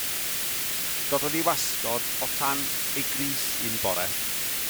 Dododd ei wasgod o tan ei grys un bore.